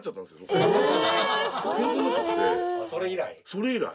それ以来？